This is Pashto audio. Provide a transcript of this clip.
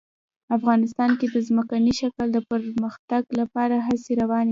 افغانستان کې د ځمکني شکل د پرمختګ لپاره هڅې روانې دي.